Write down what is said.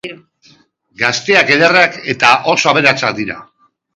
Gazteak, ederrak eta oso abertasak dira.